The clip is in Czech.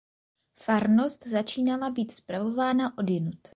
Farnost začala být spravována odjinud.